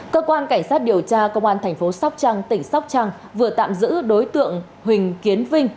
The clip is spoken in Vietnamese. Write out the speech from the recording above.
cơ quan cảnh sát điều tra công an thành phố sóc trăng tỉnh sóc trăng vừa tạm giữ đối tượng huỳnh kiến vinh